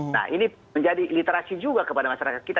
nah ini menjadi literasi juga kepada masyarakat kita